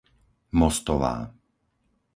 Mostová